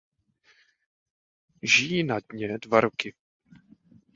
Žijí na dně dva roky.